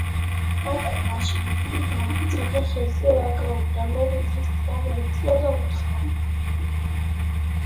კატამ რა შეიტყო, გაექცა და ხეზე გავიდა. ლომი ძირს წამოუწვა, უთხრა: